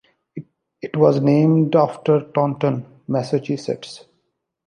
It was named after Taunton, Massachusetts.